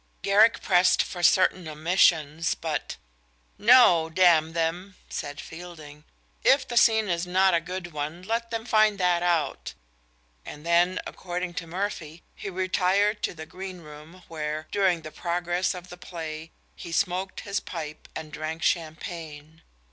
Garrick pressed for certain omissions, but "No, damn them," said Fielding, "if the scene is not a good one, let them find that out"; and then, according to Murphy, he retired to the green room, where, during the progress of the play, he smoked his pipe and drank champagne.